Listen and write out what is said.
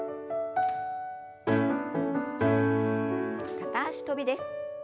片脚跳びです。